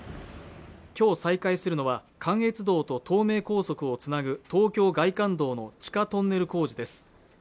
今日再開するのは関越道と東名高速をつなぐ東京外環道の地下トンネル工事です